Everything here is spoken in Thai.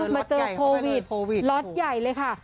มาเจอโควิดล็อตใหญ่เลยค่ะ